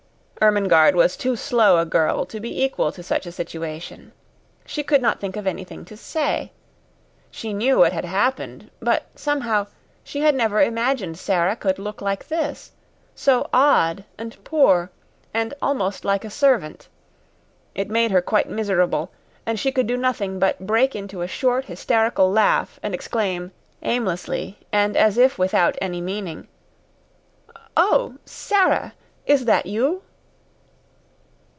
Ermengarde was too slow a girl to be equal to such a situation. She could not think of anything to say. She knew what had happened, but, somehow, she had never imagined Sara could look like this so odd and poor and almost like a servant. It made her quite miserable, and she could do nothing but break into a short hysterical laugh and exclaim aimlessly and as if without any meaning, "Oh, Sara, is that you?"